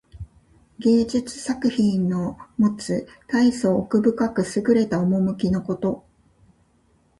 芸術作品のもつたいそう奥深くすぐれた趣のこと。